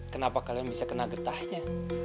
kenapa kalian bisa kena getahnya